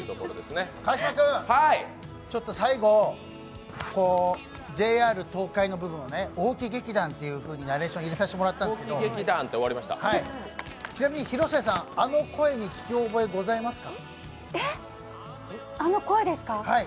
川島君、最後「ＪＲ東海」の部分を大木劇団っていうふうにナレーションを入れさせていただいたんですが、ちなみに広末さん、あの声に聞き覚えありますか？